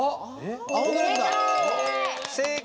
正解！